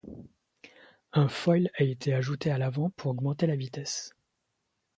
Un foil a été ajouté à l'avant pour augmenter la vitesse.